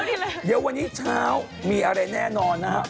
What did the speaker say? พูดไปแล้วที่เลยวันนี้เช้ามีอะไรแน่นอนนะครับ